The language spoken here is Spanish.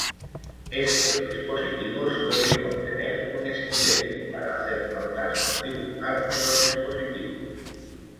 Estos dispositivos suelen contener un estilete, para hacer notas o dibujar en los dispositivos.